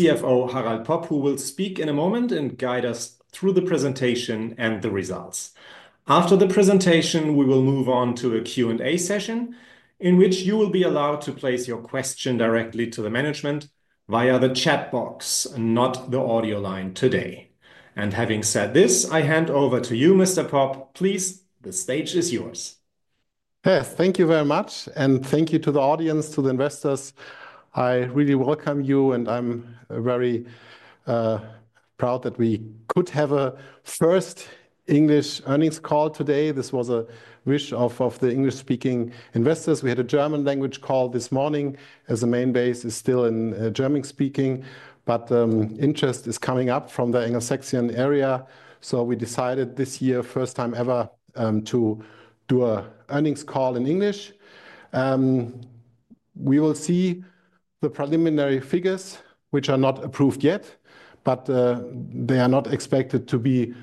CFO Harald Popp, who will speak in a moment and guide us through the presentation and the results. After the presentation, we will move on to a Q&A session in which you will be allowed to place your question directly to the management via the chat box, not the audio line today. Having said this, I hand over to you, Mr. Popp. Please, the stage is yours. Thank you very much, and thank you to the audience, to the investors. I really welcome you, and I'm very proud that we could have a first English earnings call today. This was a wish of the English-speaking investors. We had a German language call this morning as the main base is still in German-speaking, but interest is coming up from the Anglo-Saxon area. We decided this year, first time ever, to do an earnings call in English. We will see the preliminary figures, which are not approved yet, but they are not expected to be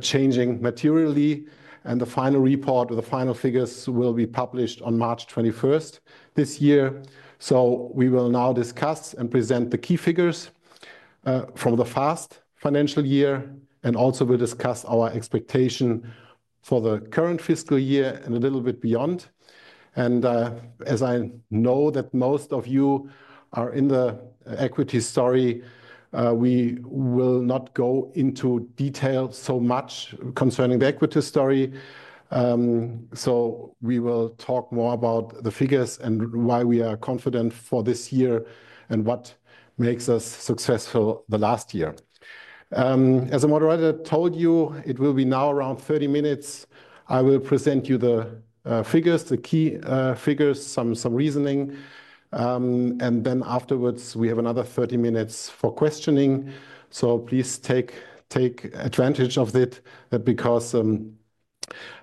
changing materially. The final report, the final figures, will be published on March 21st this year. We will now discuss and present the key figures from the first financial year, and also we'll discuss our expectation for the current fiscal year and a little bit beyond. As I know that most of you are in the equity story, we will not go into detail so much concerning the equity story. We will talk more about the figures and why we are confident for this year and what makes us successful the last year. As the moderator told you, it will be now around 30 minutes. I will present you the figures, the key figures, some reasoning, and then afterwards we have another 30 minutes for questioning. Please take advantage of it because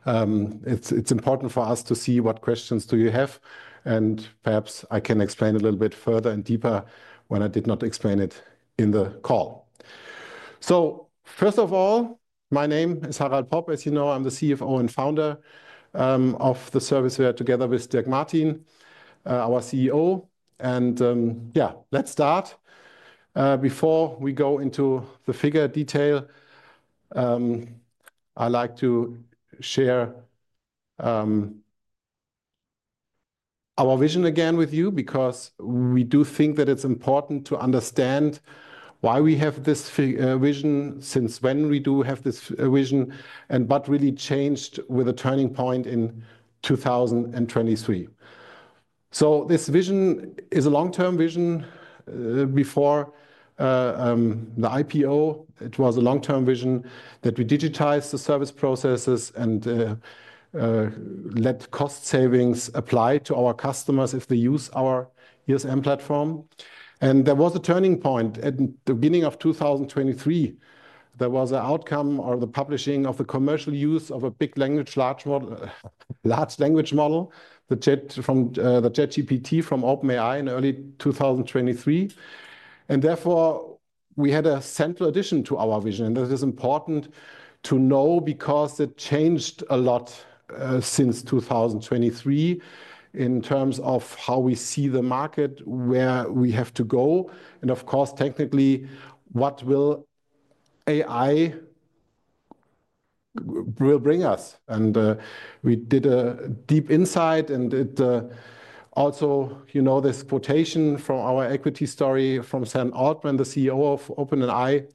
it's important for us to see what questions do you have, and perhaps I can explain a little bit further and deeper when I did not explain it in the call. First of all, my name is Harald Popp. As you know, I'm the CFO and founder of SERVICEWARE together with Dirk Martin, our CEO. Yeah, let's start. Before we go into the figure detail, I'd like to share our vision again with you because we do think that it's important to understand why we have this vision, since when we do have this vision, and what really changed with a turning point in 2023. This vision is a long-term vision. Before the IPO, it was a long-term vision that we digitize the service processes and let cost savings apply to our customers if they use our ESM platform. There was a turning point at the beginning of 2023. There was an outcome or the publishing of the commercial use of a big language large language model, the ChatGPT from OpenAI in early 2023. Therefore, we had a central addition to our vision, and that is important to know because it changed a lot since 2023 in terms of how we see the market, where we have to go, and of course, technically, what will AI bring us. We did a deep insight, and also this quotation from our equity story from Sam Altman, the CEO of OpenAI.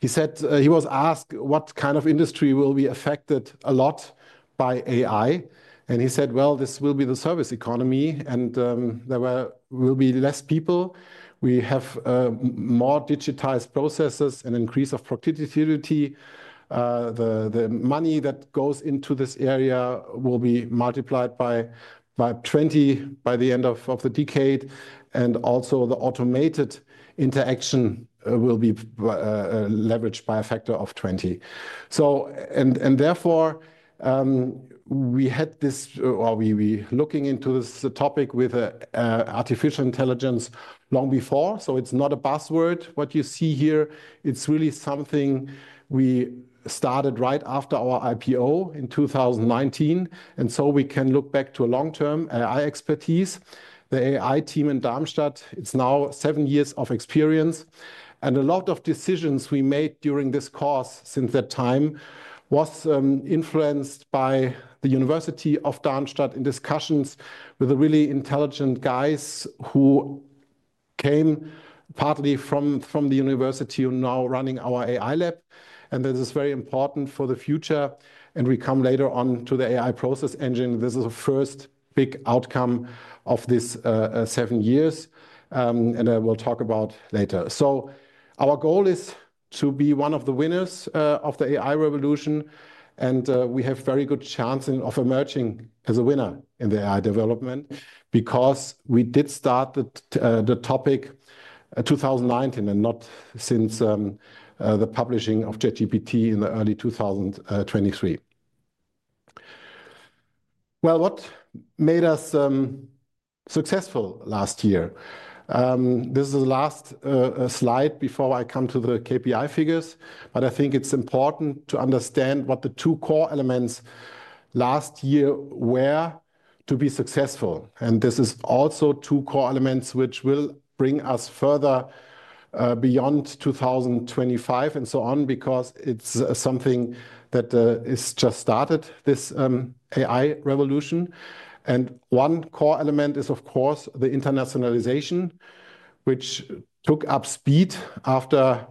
He said he was asked what kind of industry will be affected a lot by AI, and he said, well, this will be the service economy, and there will be less people. We have more digitized processes and an increase of productivity. The money that goes into this area will be multiplied by 20 by the end of the decade, and also the automated interaction will be leveraged by a factor of 20. Therefore, we had this, or we were looking into this topic with artificial intelligence long before. It is not a buzzword, what you see here. It is really something we started right after our IPO in 2019, and we can look back to long-term AI expertise. The AI team in Darmstadt, it is now seven years of experience, and a lot of decisions we made during this course since that time were influenced by the University of Darmstadt in discussions with really intelligent guys who came partly from the university now running our AI Lab. This is very important for the future. We come later on to the AI Process Engine. This is the first big outcome of these seven years, and I will talk about it later. Our goal is to be one of the winners of the AI revolution, and we have a very good chance of emerging as a winner in the AI development because we did start the topic in 2019 and not since the publishing of ChatGPT in early 2023. What made us successful last year? This is the last slide before I come to the KPI figures, but I think it is important to understand what the two core elements last year were to be successful. This is also two core elements which will bring us further beyond 2025 and so on because it is something that has just started, this AI revolution. One core element is, of course, the internationalization, which took up speed after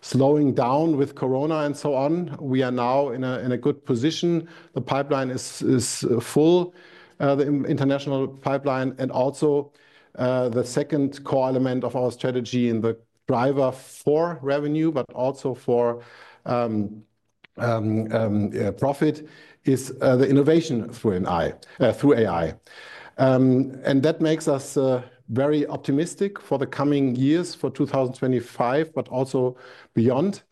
slowing down with Corona and so on. We are now in a good position. The pipeline is full, the international pipeline, and also the second core element of our strategy and the driver for revenue, but also for profit, is the innovation through AI. That makes us very optimistic for the coming years for 2025, but also beyond.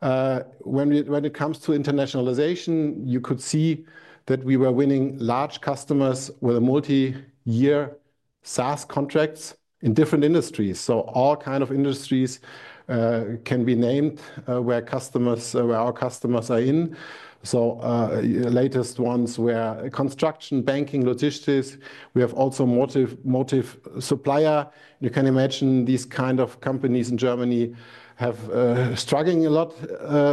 When it comes to internationalization, you could see that we were winning large customers with multi-year SaaS contracts in different industries. All kinds of industries can be named where our customers are in. The latest ones were construction, banking, logistics. We have also multi-supplier. You can imagine these kinds of companies in Germany are struggling a lot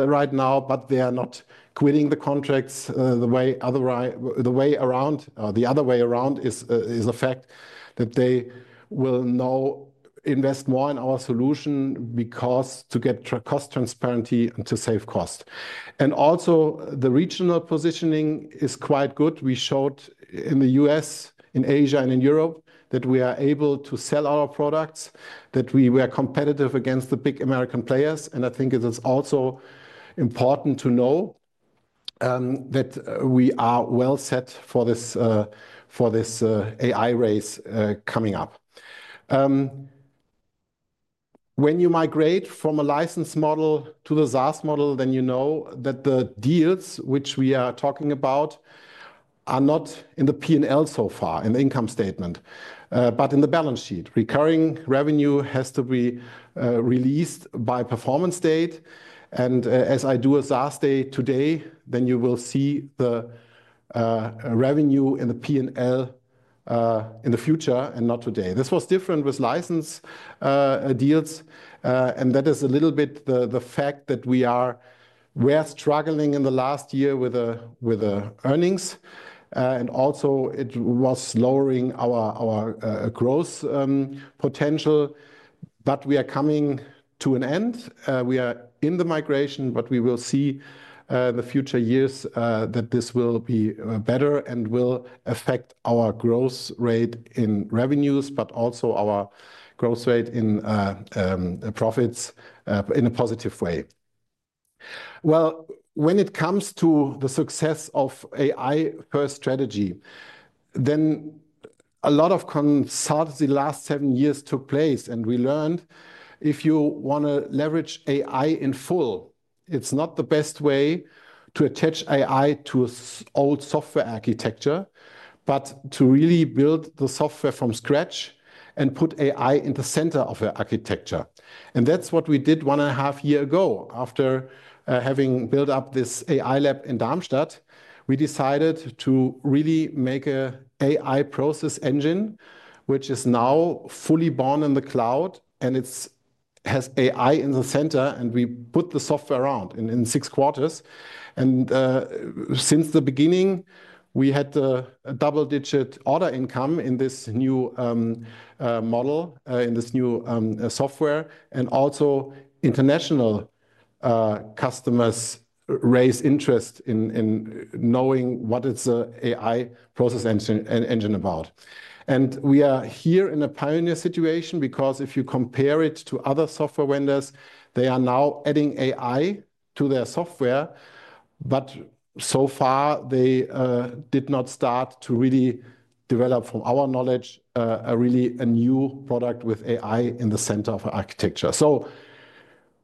right now, but they are not quitting the contracts the other way around. The other way around is a fact that they will now invest more in our solution to get cost transparency and to save cost. Also, the regional positioning is quite good. We showed in the U.S., in Asia, and in Europe that we are able to sell our products, that we were competitive against the big American players. I think it is also important to know that we are well set for this AI race coming up. When you migrate from a license model to the SaaS model, you know that the deals which we are talking about are not in the P&L so far in the income statement, but in the balance sheet. Recurring revenue has to be released by performance date. As I do a SaaS day today, you will see the revenue in the P&L in the future and not today. This was different with license deals, and that is a little bit the fact that we are struggling in the last year with the earnings, and also it was lowering our growth potential, but we are coming to an end. We are in the migration, but we will see in the future years that this will be better and will affect our growth rate in revenues, but also our growth rate in profits in a positive way. When it comes to the success of the AI-first strategy, then a lot of concerns the last seven years took place, and we learned if you want to leverage AI in full, it's not the best way to attach AI to old software architecture, but to really build the software from scratch and put AI in the center of the architecture. That is what we did one and a half years ago after having built up this AI Lab in Darmstadt. We decided to really make an AI Process Engine, which is now fully born in the cloud, and it has AI in the center, and we put the software around in six quarters. Since the beginning, we had a double-digit order income in this new model, in this new software, and also international customers raised interest in knowing what is the AI Process Engine about. We are here in a pioneer situation because if you compare it to other software vendors, they are now adding AI to their software, but so far they did not start to really develop, from our knowledge, a really new product with AI in the center of our architecture.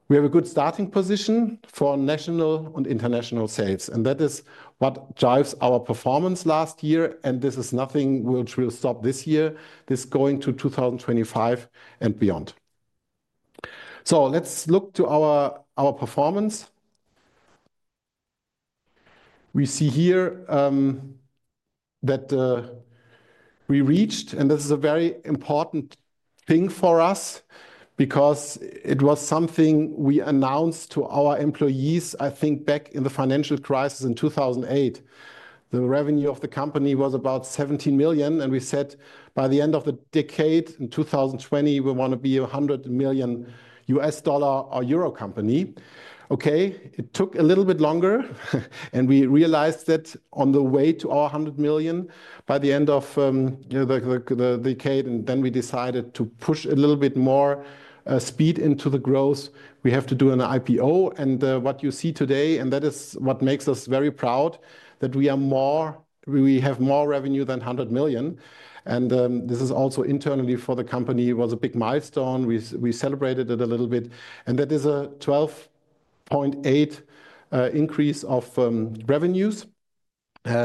We have a good starting position for national and international sales, and that is what drives our performance last year, and this is nothing which will stop this year. This is going to 2025 and beyond. Let's look to our performance. We see here that we reached, and this is a very important thing for us because it was something we announced to our employees, I think, back in the financial crisis in 2008. The revenue of the company was about 17 million, and we said by the end of the decade in 2020, we want to be a $100 million or EUR 100 million company. It took a little bit longer, and we realized that on the way to our 100 million by the end of the decade, and then we decided to push a little bit more speed into the growth. We have to do an IPO, and what you see today, and that is what makes us very proud, that we have more revenue than 100 million. This is also internally for the company was a big milestone. We celebrated it a little bit, and that is a 12.8% increase of revenues.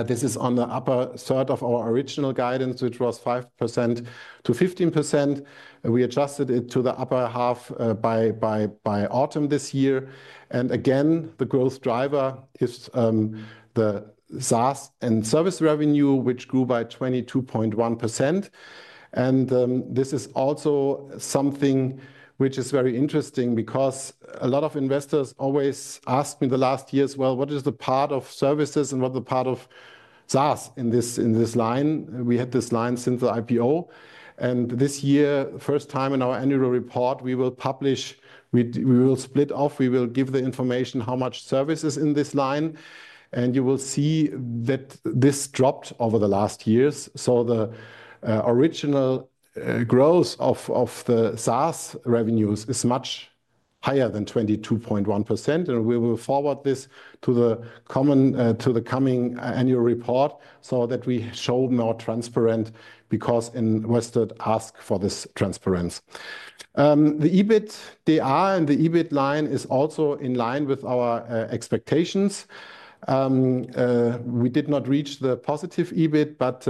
This is on the upper third of our original guidance, which was 5%-15%. We adjusted it to the upper half by autumn this year. Again, the growth driver is the SaaS and service revenue, which grew by 22.1%. This is also something which is very interesting because a lot of investors always asked me the last years, well, what is the part of services and what is the part of SaaS in this line? We had this line since the IPO. This year, first time in our annual report, we will publish, we will split off, we will give the information how much service is in this line, and you will see that this dropped over the last years. The original growth of the SaaS revenues is much higher than 22.1%, and we will forward this to the coming annual report so that we show more transparency because investors ask for this transparency. The EBITDA and the EBIT line is also in line with our expectations. We did not reach the positive EBIT, but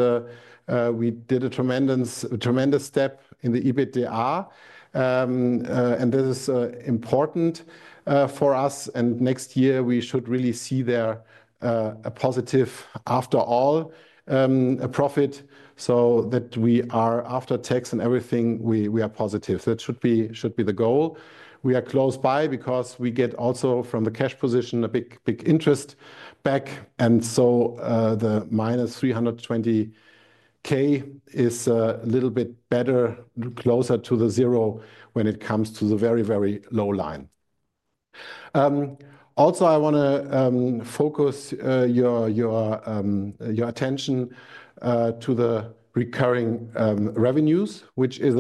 we did a tremendous step in the EBITDA, and this is important for us. Next year, we should really see there a positive after all profit so that we are after tax and everything, we are positive. That should be the goal. We are close by because we get also from the cash position a big interest back, and so the minus 320,000 is a little bit better, closer to the zero when it comes to the very, very low line. Also, I want to focus your attention to the recurring revenues, which is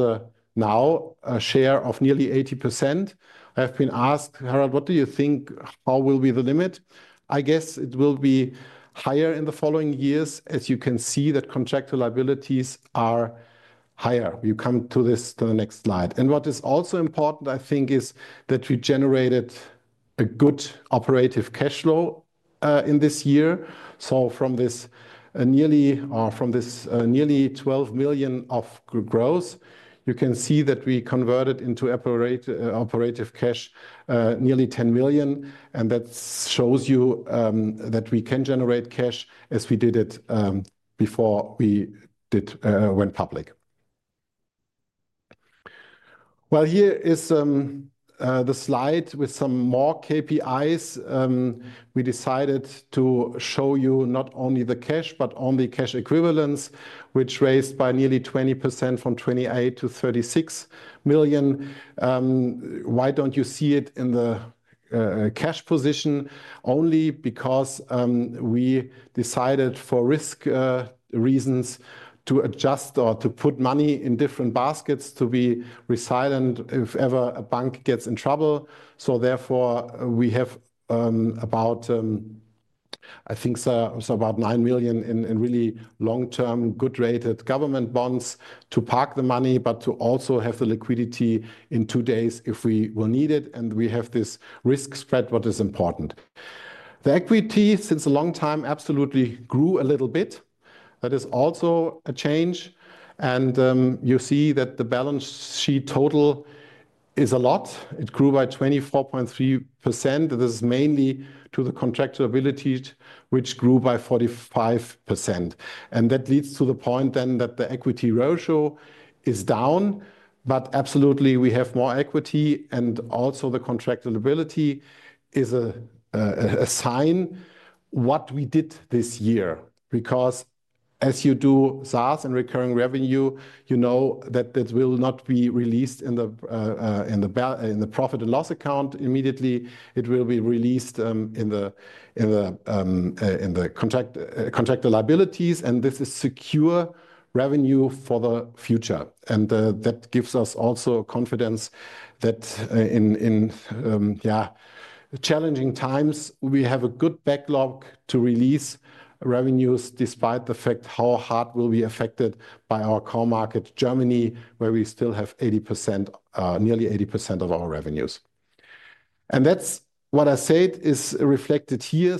now a share of nearly 80%. I have been asked, Harald, what do you think? How will be the limit? I guess it will be higher in the following years, as you can see that contractual liabilities are higher. We come to this to the next slide. What is also important, I think, is that we generated a good operative cash flow in this year. From this nearly 12 million of growth, you can see that we converted into operative cash nearly 10 million, and that shows you that we can generate cash as we did it before we went public. Here is the slide with some more KPIs. We decided to show you not only the cash, but only cash equivalents, which raised by nearly 20% from 28 million to 36 million. You do not see it in the cash position only because we decided for risk reasons to adjust or to put money in different baskets to be resilient if ever a bank gets in trouble. Therefore, we have about, I think it is about 9 million in really long-term good-rated government bonds to park the money, but to also have the liquidity in two days if we will need it. We have this risk spread, what is important. The equity since a long time absolutely grew a little bit. That is also a change. You see that the balance sheet total is a lot. It grew by 24.3%. This is mainly to the contractual ability, which grew by 45%. That leads to the point that the equity ratio is down, but absolutely we have more equity and also the contractual ability is a sign of what we did this year. Because as you do SaaS and recurring revenue, you know that this will not be released in the profit and loss account immediately. It will be released in the contract liabilities, and this is secure revenue for the future. That gives us also confidence that in challenging times, we have a good backlog to release revenues despite the fact how hard we will be affected by our core market, Germany, where we still have nearly 80% of our revenues. That is what I said is reflected here.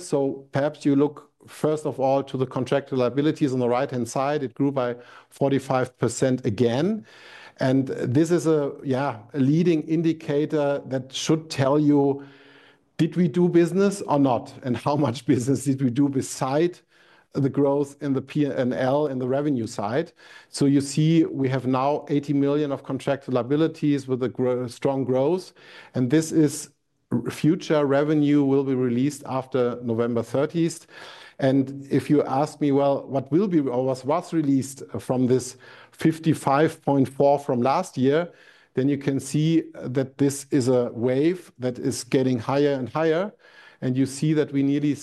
Perhaps you look first of all to the contractual liabilities on the right-hand side. It grew by 45% again. This is a leading indicator that should tell you, did we do business or not, and how much business did we do beside the growth in the P&L and the revenue side? You see we have now 80 million of contractual liabilities with a strong growth. This is future revenue that will be released after November 30. If you ask me, what will be or was released from this 55.4% from last year, you can see that this is a wave that is getting higher and higher. You see that we nearly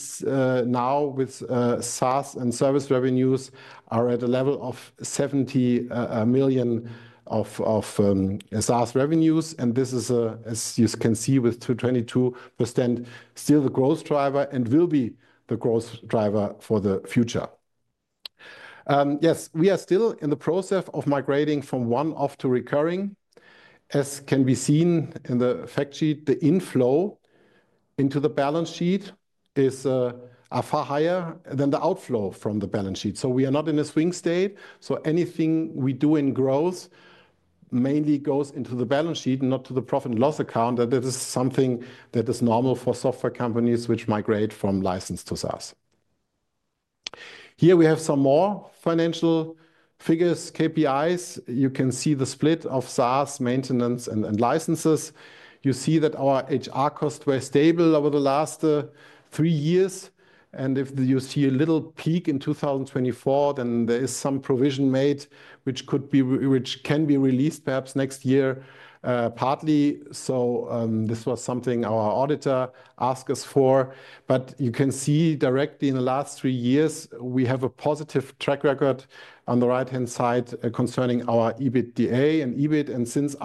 now with SaaS and service revenues are at a level of 70 million of SaaS revenues. This is, as you can see, with 22% still the growth driver and will be the growth driver for the future. Yes, we are still in the process of migrating from one-off to recurring. As can be seen in the fact sheet, the inflow into the balance sheet is far higher than the outflow from the balance sheet. We are not in a swing state. Anything we do in growth mainly goes into the balance sheet and not to the profit and loss account. This is something that is normal for software companies which migrate from license to SaaS. Here we have some more financial figures, KPIs. You can see the split of SaaS, maintenance, and licenses. You see that our HR costs were stable over the last three years. If you see a little peak in 2024, there is some provision made which can be released perhaps next year partly. This was something our auditor asked us for. You can see directly in the last three years, we have a positive track record on the right-hand side concerning our EBITDA and EBIT. Since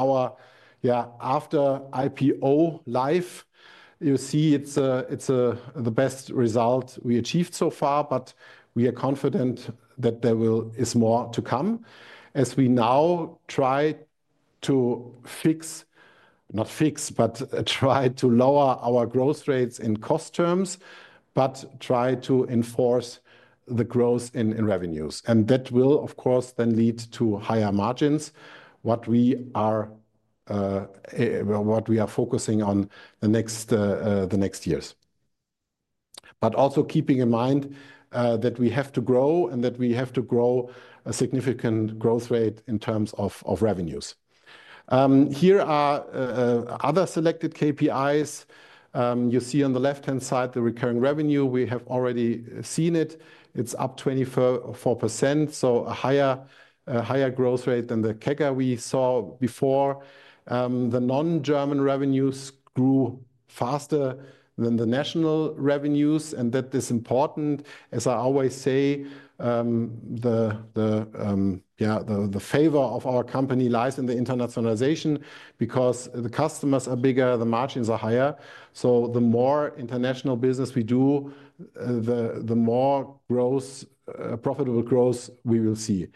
our after IPO life, you see it is the best result we achieved so far, but we are confident that there is more to come. As we now try to fix, not fix, but try to lower our growth rates in cost terms, but try to enforce the growth in revenues. That will, of course, then lead to higher margins, what we are focusing on the next years. Also keeping in mind that we have to grow and that we have to grow a significant growth rate in terms of revenues. Here are other selected KPIs. You see on the left-hand side the recurring revenue. We have already seen it. It's up 24%, so a higher growth rate than the CAGR we saw before. The non-German revenues grew faster than the national revenues, and that is important. As I always say, the favor of our company lies in the internationalization because the customers are bigger, the margins are higher. The more international business we do, the more profitable growth we will see.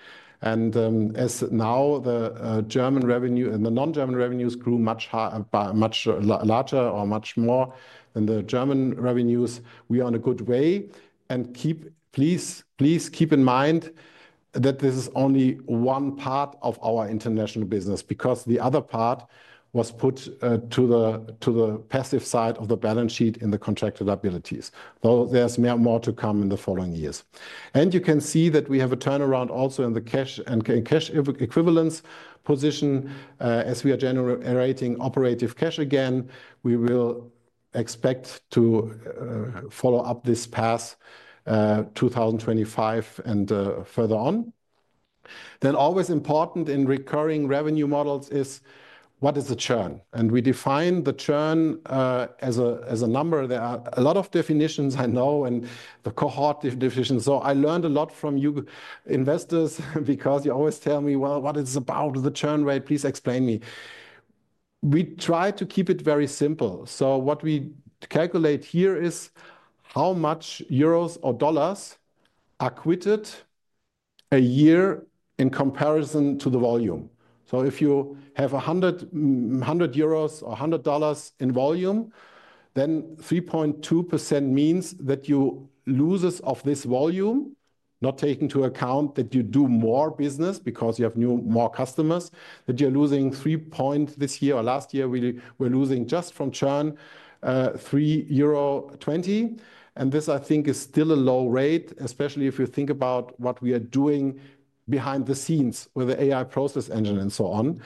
As now the German revenue and the non-German revenues grew much larger or much more than the German revenues, we are on a good way. Please keep in mind that this is only one part of our international business because the other part was put to the passive side of the balance sheet in the contract liabilities. There is more to come in the following years. You can see that we have a turnaround also in the cash and cash equivalents position. As we are generating operative cash again, we will expect to follow up this path 2025 and further on. Always important in recurring revenue models is what is the churn? We define the churn as a number. There are a lot of definitions I know and the cohort definitions. I learned a lot from you investors because you always tell me, well, what is about the churn rate? Please explain me. We try to keep it very simple. What we calculate here is how much EUR or $ are quitted a year in comparison to the volume. If you have 100 euros or $100 in volume, then 3.2% means that you lose this of this volume, not taking into account that you do more business because you have more customers, that you're losing 3 point this year or last year, we were losing just from churn 3.20 euro. This, I think, is still a low rate, especially if you think about what we are doing behind the scenes with the AI Process Engine and so on.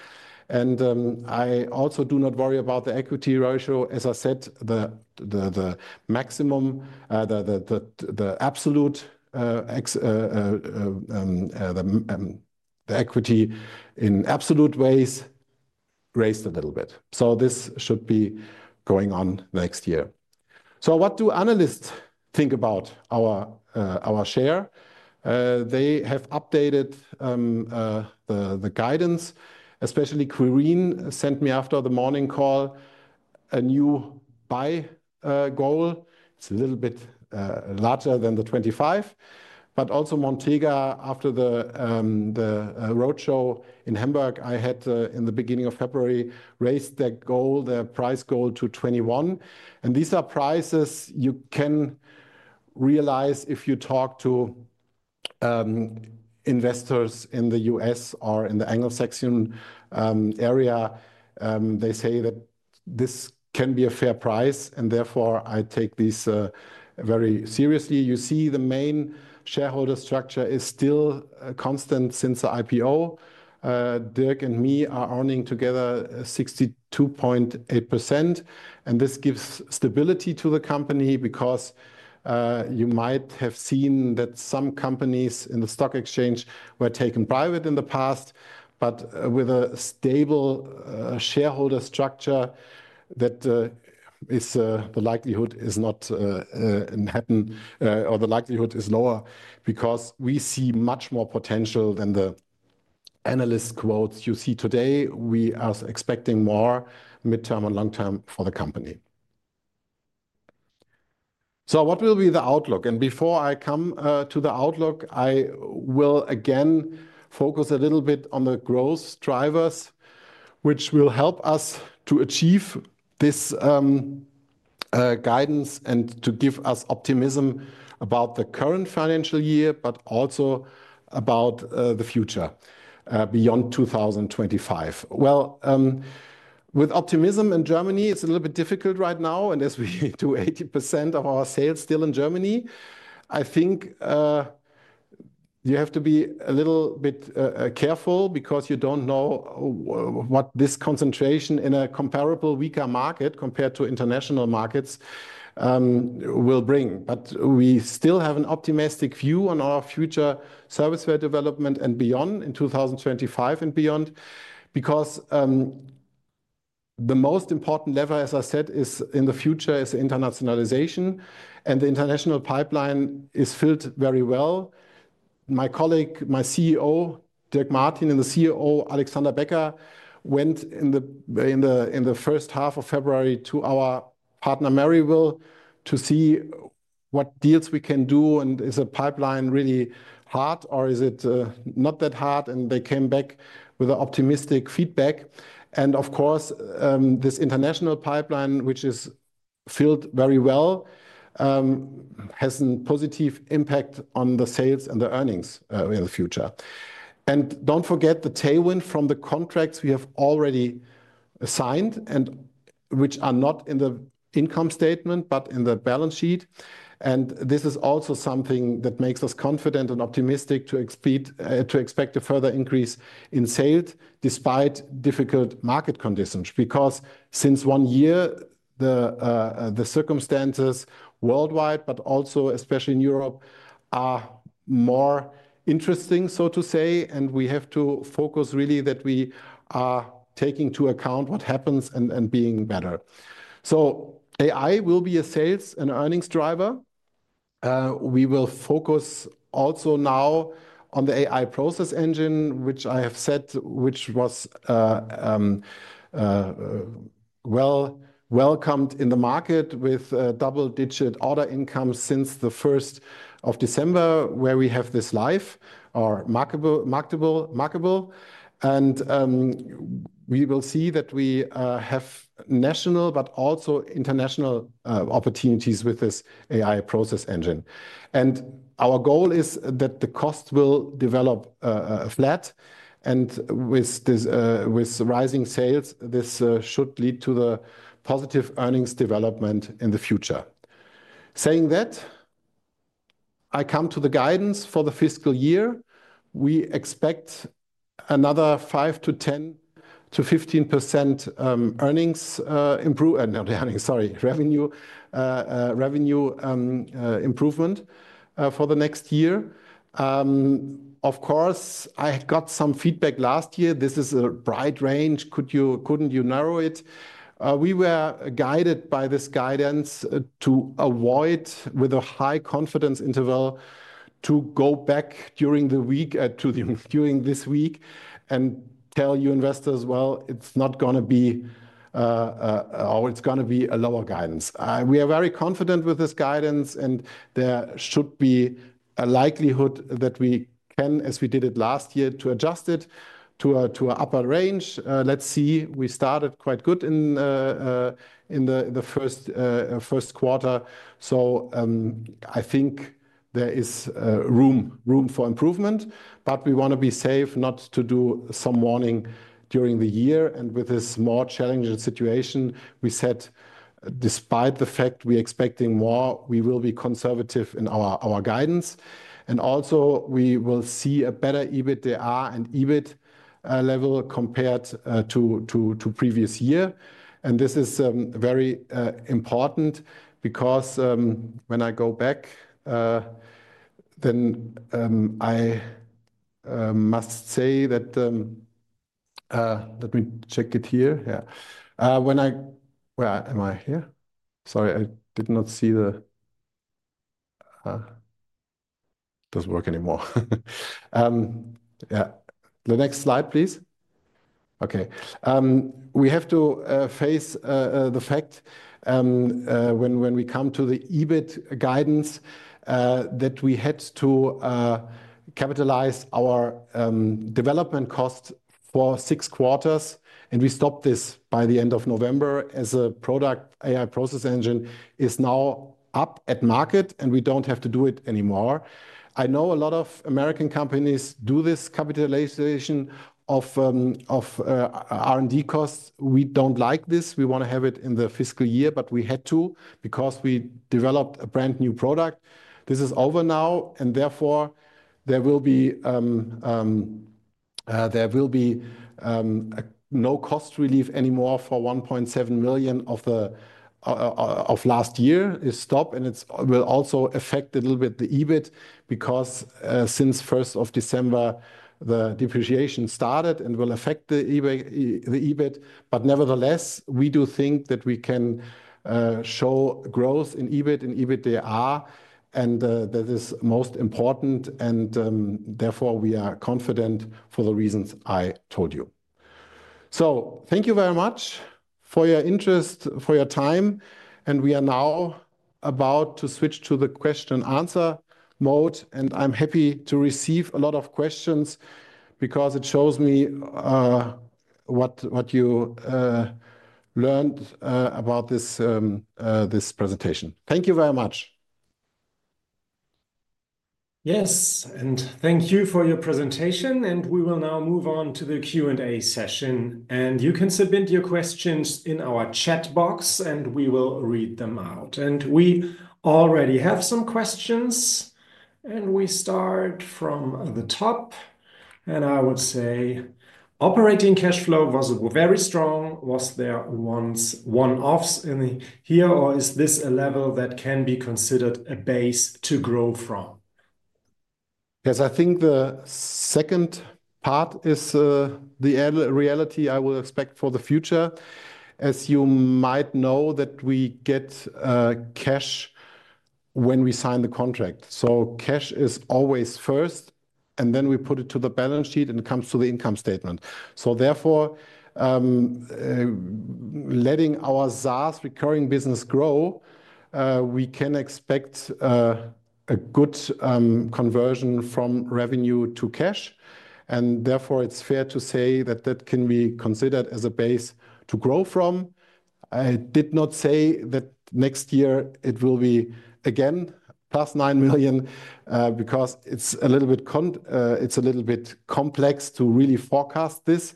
I also do not worry about the equity ratio. As I said, the maximum, the absolute equity in absolute ways raised a little bit. This should be going on next year. What do analysts think about our share? They have updated the guidance. Especially Quirin sent me after the morning call a new buy goal. It is a little bit larger than the 25. Also Montega, after the roadshow in Hamburg, I had in the beginning of February raised their goal, their price goal to 21. These are prices you can realize if you talk to investors in the U.S. or in the Anglo-Saxon area. They say that this can be a fair price and therefore I take this very seriously. You see the main shareholder structure is still constant since the IPO. Dirk and me are earning together 62.8%. This gives stability to the company because you might have seen that some companies in the stock exchange were taken private in the past, but with a stable shareholder structure the likelihood is not happen or the likelihood is lower because we see much more potential than the analyst quotes you see today. We are expecting more mid-term and long-term for the company. What will be the outlook? Before I come to the outlook, I will again focus a little bit on the growth drivers, which will help us to achieve this guidance and to give us optimism about the current financial year, but also about the future beyond 2025. With optimism in Germany, it's a little bit difficult right now. As we do 80% of our sales still in Germany, I think you have to be a little bit careful because you do not know what this concentration in a comparable weaker market compared to international markets will bring. We still have an optimistic view on our future service development and beyond in 2025 and beyond because the most important lever, as I said, in the future is internationalization. The international pipeline is filled very well. My colleague, my CEO, Dirk Martin, and the COO, Alexander Becker, went in the first half of February to our partner, Merriwell, to see what deals we can do. Is the pipeline really hard or is it not that hard? They came back with an optimistic feedback. Of course, this international pipeline, which is filled very well, has a positive impact on the sales and the earnings in the future. Do not forget the tailwind from the contracts we have already signed and which are not in the income statement, but in the balance sheet. This is also something that makes us confident and optimistic to expect a further increase in sales despite difficult market conditions. Since one year, the circumstances worldwide, but also especially in Europe, are more interesting, so to say. We have to focus really that we are taking into account what happens and being better. AI will be a sales and earnings driver. We will focus also now on the AI Process Engine, which I have said, which was well welcomed in the market with double-digit order income since the 1st of December, where we have this live or marketable. We will see that we have national, but also international opportunities with this AI Process Engine. Our goal is that the cost will develop flat. With rising sales, this should lead to the positive earnings development in the future. Saying that, I come to the guidance for the fiscal year. We expect another 5-10-15% earnings, sorry, revenue improvement for the next year. Of course, I got some feedback last year. This is a bright range. Couldn't you narrow it? We were guided by this guidance to avoid with a high confidence interval to go back during the week to during this week and tell you investors, well, it's not going to be or it's going to be a lower guidance. We are very confident with this guidance and there should be a likelihood that we can, as we did it last year, to adjust it to an upper range. Let's see. We started quite good in the first quarter. I think there is room for improvement, but we want to be safe not to do some warning during the year. With this more challenging situation, we said despite the fact we are expecting more, we will be conservative in our guidance. Also we will see a better EBITDA and EBIT level compared to previous year. This is very important because when I go back, then I must say that let me check it here. Yeah. Where am I here? Sorry, I did not see the doesn't work anymore. Yeah. The next slide, please. Okay. We have to face the fact when we come to the EBIT guidance that we had to capitalize our development cost for six quarters. We stopped this by the end of November as the product AI Process Engine is now up at market and we don't have to do it anymore. I know a lot of American companies do this capitalization of R&D costs. We don't like this. We want to have it in the fiscal year, but we had to because we developed a brand new product. This is over now. Therefore there will be no cost relief anymore for 1.7 million of last year is stopped. It will also affect a little bit the EBIT because since 1st of December, the depreciation started and will affect the EBIT. Nevertheless, we do think that we can show growth in EBIT and EBITDA. That is most important. Therefore we are confident for the reasons I told you. Thank you very much for your interest, for your time. We are now about to switch to the question and answer mode. I am happy to receive a lot of questions because it shows me what you learned about this presentation. Thank you very much. Yes. Thank you for your presentation. We will now move on to the Q&A session. You can submit your questions in our chat box and we will read them out. We already have some questions. We start from the top. I would say operating cash flow was very strong. Was there one-offs in here or is this a level that can be considered a base to grow from? Yes, I think the second part is the reality I will expect for the future. As you might know, we get cash when we sign the contract. Cash is always first and then we put it to the balance sheet and it comes to the income statement. Therefore, letting our SaaS recurring business grow, we can expect a good conversion from revenue to cash. Therefore, it is fair to say that that can be considered as a base to grow from. I did not say that next year it will be again 9 million because it is a little bit complex to really forecast this.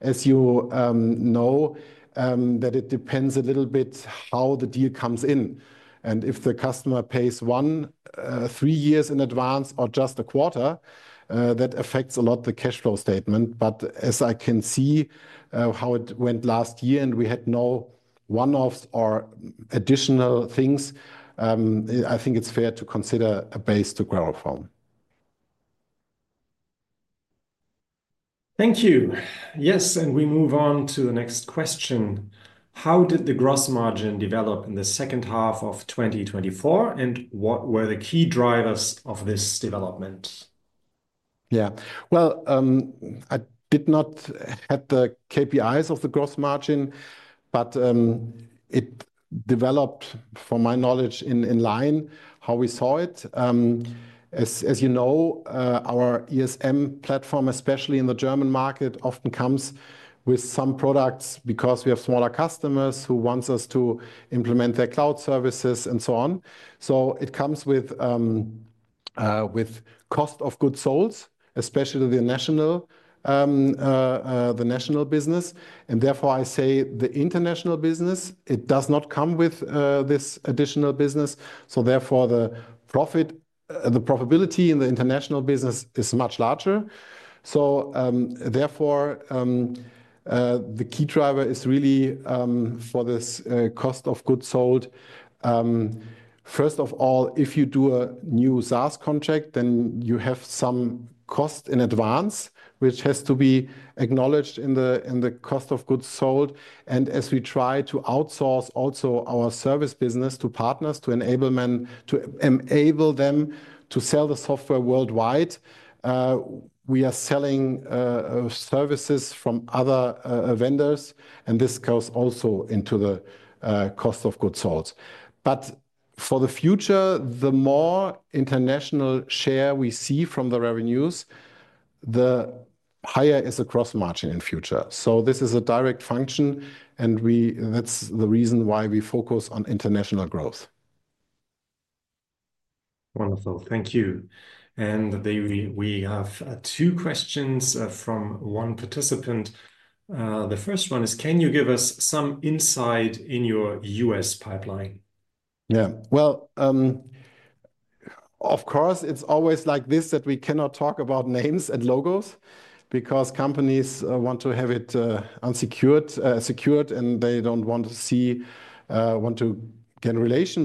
As you know, that it depends a little bit how the deal comes in. If the customer pays one three years in advance or just a quarter, that affects a lot the cash flow statement. As I can see how it went last year and we had no one-offs or additional things, I think it's fair to consider a base to grow from. Thank you. Yes. We move on to the next question. How did the gross margin develop in the second half of 2024 and what were the key drivers of this development? Yeah. I did not have the KPIs of the gross margin, but it developed from my knowledge in line how we saw it. As you know, our ESM platform, especially in the German market, often comes with some products because we have smaller customers who want us to implement their cloud services and so on. It comes with cost of goods sold, especially the national business. Therefore I say the international business does not come with this additional business. Therefore the profitability in the international business is much larger. The key driver is really for this cost of goods sold. First of all, if you do a new SaaS contract, then you have some cost in advance, which has to be acknowledged in the cost of goods sold. As we try to outsource also our service business to partners to enable them to sell the software worldwide, we are selling services from other vendors. This goes also into the cost of goods sold. For the future, the more international share we see from the revenues, the higher is the gross margin in future. This is a direct function and that's the reason why we focus on international growth. Wonderful. Thank you. We have two questions from one participant. The first one is, can you give us some insight in your U.S. pipeline? Yeah. Of course, it's always like this that we cannot talk about names and logos because companies want to have it unsecured and they don't want to see, want to get relation.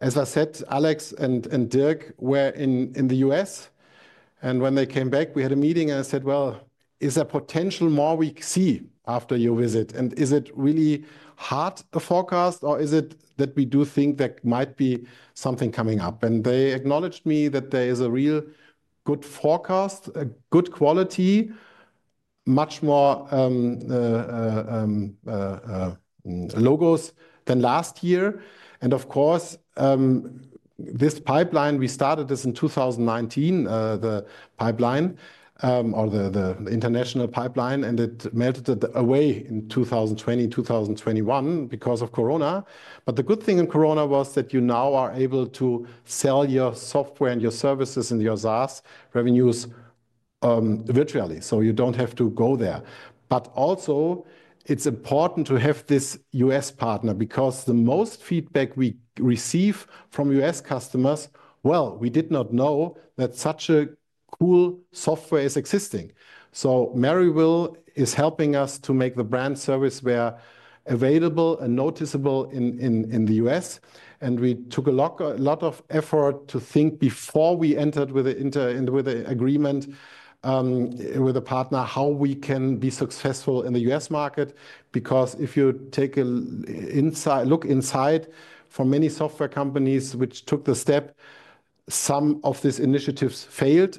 As I said, Alex and Dirk were in the U.S.. When they came back, we had a meeting and I said, is there potential more we see after your visit? Is it really hard a forecast or is it that we do think there might be something coming up? They acknowledged me that there is a real good forecast, a good quality, much more logos than last year. Of course, this pipeline, we started this in 2019, the pipeline or the international pipeline, and it melted away in 2020, 2021 because of Corona. The good thing in Corona was that you now are able to sell your software and your services and your SaaS revenues virtually. You do not have to go there. Also, it is important to have this U.S. partner because the most feedback we receive from U.S. customers, well, we did not know that such a cool software is existing. Merriwell is helping us to make the brand SERVICEWARE available and noticeable in the U.S.. We took a lot of effort to think before we entered with an agreement with a partner how we can be successful in the U.S. market. Because if you take a look inside for many software companies which took the step, some of these initiatives failed.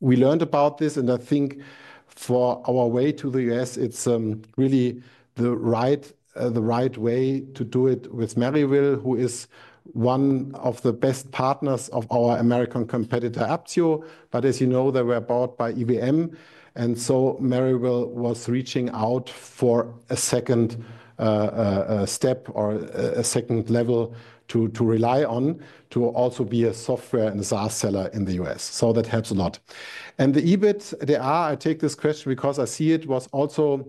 We learned about this. I think for our way to the U.S., it is really the right way to do it with Merriwell, who is one of the best partners of our American competitor, Apptio. As you know, they were bought by IBM. Merriwell was reaching out for a second step or a second level to rely on to also be a software and SaaS seller in the U.S.. That helps a lot. The EBIT, I take this question because I see it was also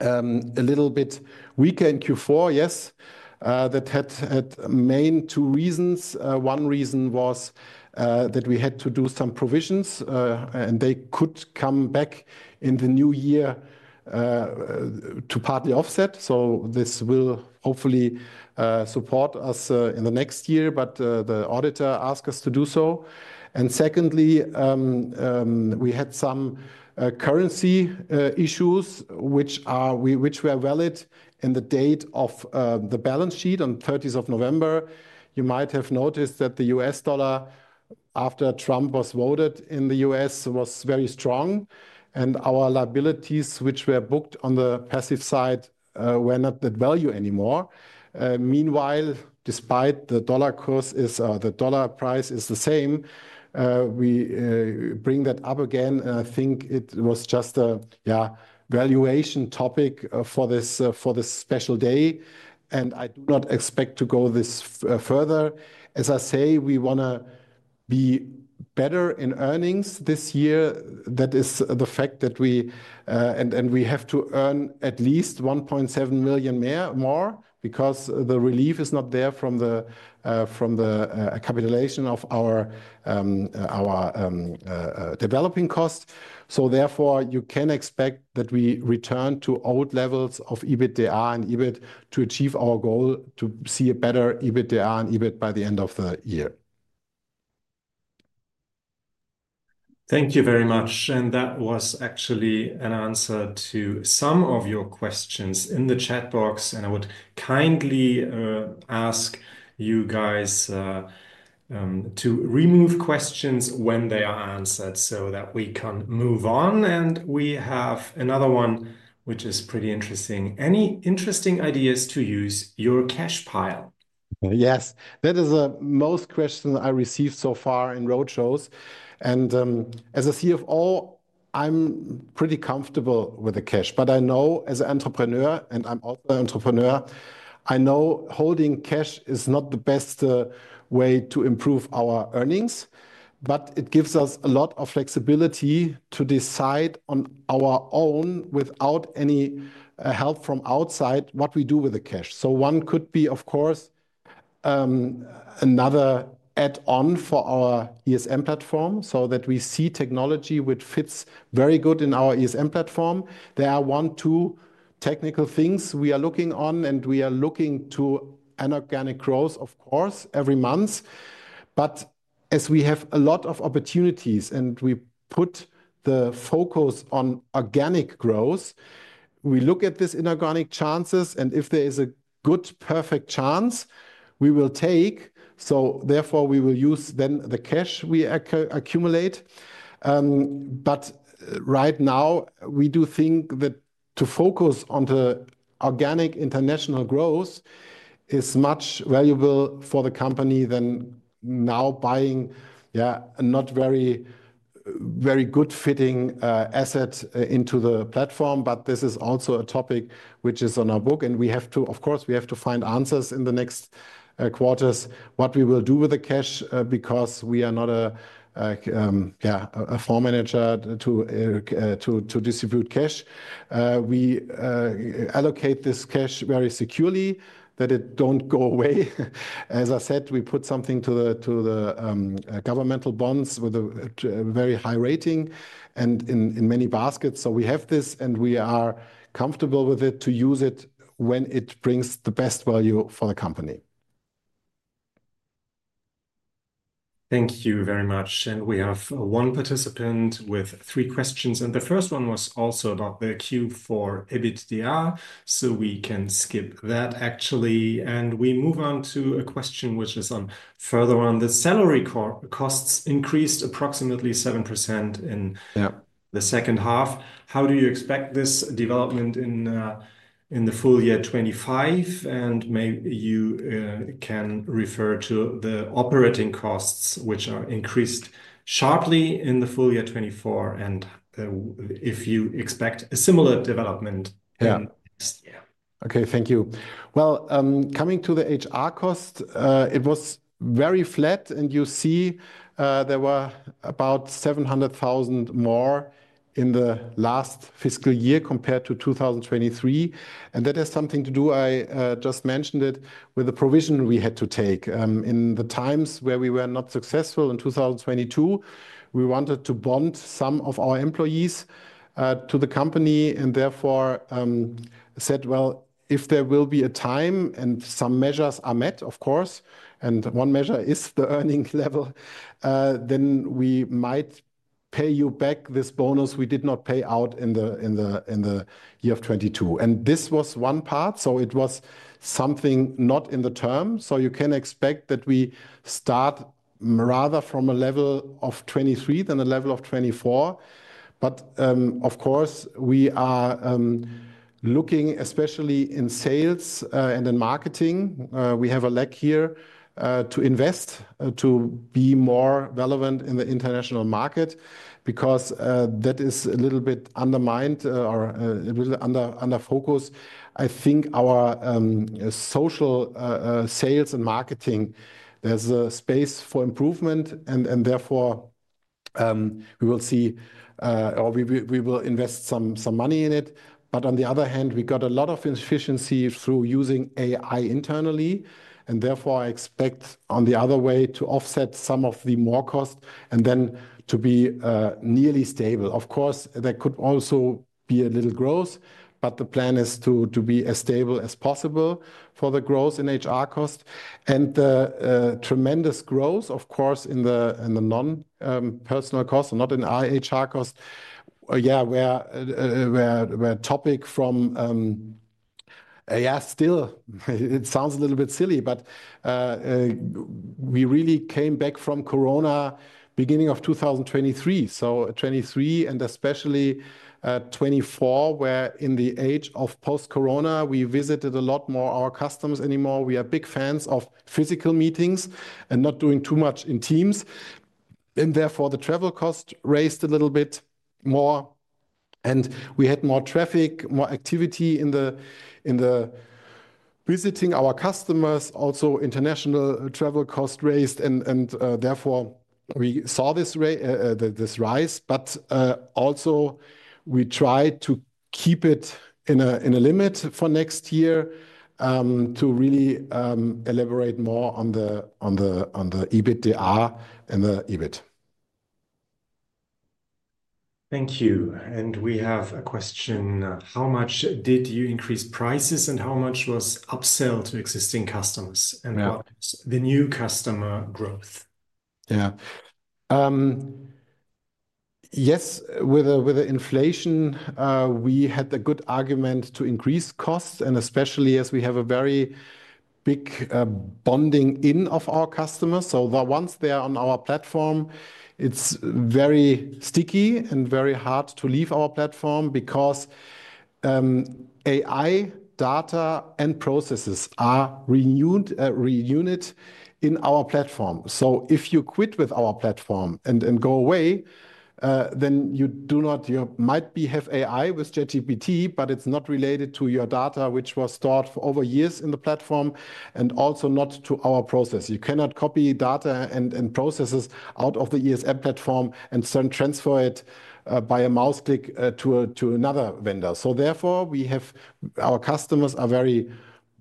a little bit weaker in Q4, yes. That had main two reasons. One reason was that we had to do some provisions and they could come back in the new year to partly offset. This will hopefully support us in the next year, but the auditor asked us to do so. Secondly, we had some currency issues which were valid in the date of the balance sheet on 30th of November. You might have noticed that the U.S. dollar, after Trump was voted in the U.S., was very strong. Our liabilities, which were booked on the passive side, were not that value anymore. Meanwhile, despite the dollar price is the same, we bring that up again. I think it was just a valuation topic for this special day. I do not expect to go this further. As I say, we want to be better in earnings this year. That is the fact that we and we have to earn at least 1.7 million more because the relief is not there from the capitalization of our developing cost. Therefore, you can expect that we return to old levels of EBITDA and EBIT to achieve our goal to see a better EBITDA and EBIT by the end of the year. Thank you very much. That was actually an answer to some of your questions in the chat box. I would kindly ask you guys to remove questions when they are answered so that we can move on. We have another one, which is pretty interesting. Any interesting ideas to use your cash pile? Yes, that is the most question I received so far in roadshows. As I see of all, I'm pretty comfortable with the cash. I know as an entrepreneur, and I'm also an entrepreneur, I know holding cash is not the best way to improve our earnings. It gives us a lot of flexibility to decide on our own without any help from outside what we do with the cash. One could be, of course, another add-on for our ESM platform so that we see technology which fits very good in our ESM platform. There are one or two technical things we are looking on and we are looking to inorganic growth, of course, every month. As we have a lot of opportunities and we put the focus on organic growth, we look at these inorganic chances. If there is a good perfect chance, we will take. Therefore we will use then the cash we accumulate. Right now, we do think that to focus on the organic international growth is much more valuable for the company than now buying a not very good fitting asset into the platform. This is also a topic which is on our book. We have to, of course, find answers in the next quarters what we will do with the cash because we are not a floor manager to distribute cash. We allocate this cash very securely that it does not go away. As I said, we put something to the governmental bonds with a very high rating and in many baskets. We have this and we are comfortable with it to use it when it brings the best value for the company. Thank you very much. We have one participant with three questions. The first one was also about the Q4 EBITDA. We can skip that actually. We move on to a question which is further on. The salary costs increased approximately 7% in the second half. How do you expect this development in the full year 2025? Maybe you can refer to the operating costs which increased sharply in the full year 2024, and if you expect a similar development. Thank you. Coming to the HR cost, it was very flat. You see there were about 700,000 more in the last fiscal year compared to 2023. That has something to do, I just mentioned it, with the provision we had to take. In the times where we were not successful in 2022, we wanted to bond some of our employees to the company and therefore said, well, if there will be a time and some measures are met, of course, and one measure is the earning level, then we might pay you back this bonus we did not pay out in the year of 2022. This was one part. It was something not in the term. You can expect that we start rather from a level of 2023 than a level of 2024. Of course, we are looking especially in sales and in marketing. We have a leg here to invest to be more relevant in the international market because that is a little bit undermined or a little under focus. I think our social sales and marketing, there is a space for improvement. Therefore, we will see or we will invest some money in it. On the other hand, we got a lot of efficiency through using AI internally. Therefore, I expect on the other way to offset some of the more cost and then to be nearly stable. Of course, there could also be a little growth, but the plan is to be as stable as possible for the growth in HR cost. The tremendous growth, of course, in the non-personal cost and not in HR cost, yeah, where topic from, yeah, still it sounds a little bit silly, but we really came back from Corona beginning of 2023. So 2023 and especially 2024, where in the age of post-Corona, we visited a lot more our customers anymore. We are big fans of physical meetings and not doing too much in Teams. Therefore, the travel cost raised a little bit more. We had more traffic, more activity in visiting our customers. Also, international travel cost raised. Therefore, we saw this rise. We tried to keep it in a limit for next year to really elaborate more on the EBITDA and the EBIT. Thank you. We have a question. How much did you increase prices and how much was upsell to existing customers? What is the new customer growth? Yeah. Yes, with the inflation, we had a good argument to increase costs, and especially as we have a very big bonding in of our customers. Once they are on our platform, it is very sticky and very hard to leave our platform because AI data and processes are renewed in our platform. If you quit with our platform and go away, then you do not, you might have AI with ChatGPT, but it's not related to your data which was stored for over years in the platform and also not to our process. You cannot copy data and processes out of the ESM Platform and transfer it by a mouse click to another vendor. Therefore, our customers are very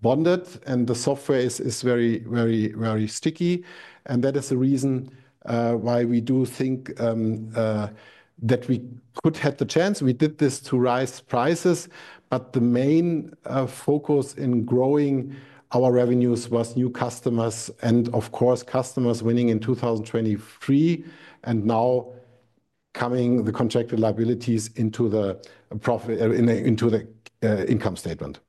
bonded and the software is very, very, very sticky. That is the reason why we do think that we could have the chance. We did this to rise prices, but the main focus in growing our revenues was new customers and of course, customers winning in 2023 and now coming the contracted liabilities into the income statement.